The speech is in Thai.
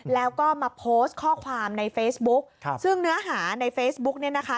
แล้วก็มาโพสต์ข้อความในเฟซบุ๊คซึ่งเนื้อหาในเฟซบุ๊กเนี่ยนะคะ